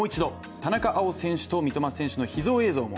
田中碧選手と三笘選手の秘蔵映像も。